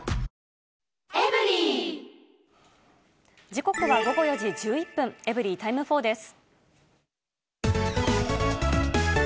時刻は午後４時１１分、エブリィタイム４です。